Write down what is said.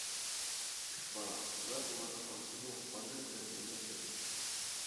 ئۈچ بالا ۋە ئۇلارنىڭ ئانىسىمۇ بالىلىرى بىلەن بىللە كىردى.